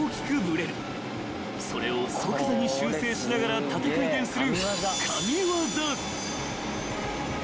［それを即座に修正しながら縦回転する］